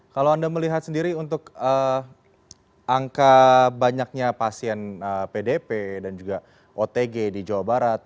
kalau anda melihat sendiri untuk angka banyaknya pasien pdp dan juga otg di jawa barat